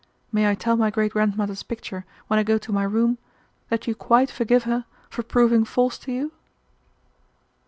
May I tell my great grandmother's picture when I go to my room that you quite forgive her for proving false to you?"